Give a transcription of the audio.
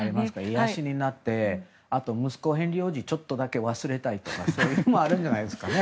癒やしになってあと息子のヘンリー王子をちょっとだけ忘れたいとかもあるんじゃないですかね。